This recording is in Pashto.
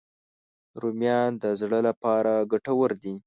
رومیان د زړه لپاره ګټور دي